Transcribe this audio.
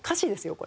これ。